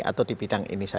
atau di bidang ini